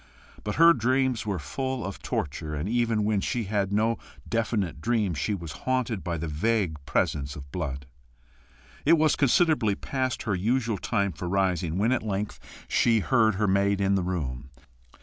But her dreams were full of torture, and even when she had no definite dream, she was haunted by the vague presence of blood. It was considerably past her usual time for rising when at length she heard her maid in the room.